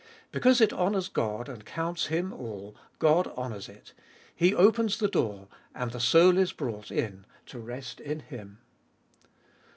Because it honours God and counts Him all, God honours it; He opens the door, and the soul is brought in to rest in Him.